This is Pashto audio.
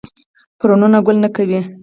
فرنونه ګل نه کوي